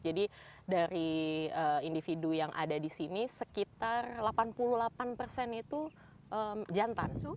jadi dari individu yang ada di sini sekitar delapan puluh delapan itu jantan